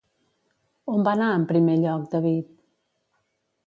On va anar, en primer lloc, David?